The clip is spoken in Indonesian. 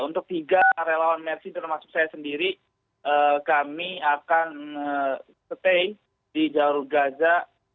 untuk tiga relawan mercy termasuk saya sendiri kami akan stay di jalur gaza